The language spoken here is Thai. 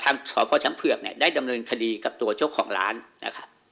สพช้างเผือกเนี่ยได้ดำเนินคดีกับตัวเจ้าของร้านนะครับ